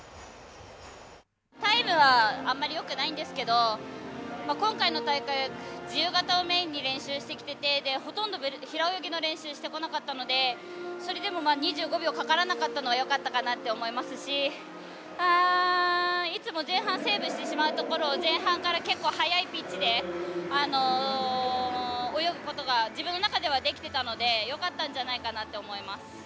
タイムはあんまりよくないんですけど今回の大会は自由形をメインに練習してきててほとんど、平泳ぎの練習してこなかったのでそれでも２５秒かからなかったのはよかったかなって思いますしいつも前半セーブしてしまうところを前半から結構速いピッチで泳ぐことが自分の中ではできてたのでよかったんじゃないかなって思います。